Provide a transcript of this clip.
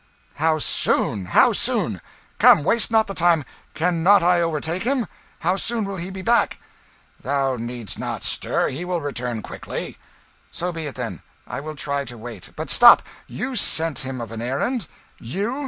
"How soon? How soon? Come, waste not the time cannot I overtake him? How soon will he be back?" "Thou need'st not stir; he will return quickly." "So be it, then. I will try to wait. But stop! you sent him of an errand? you!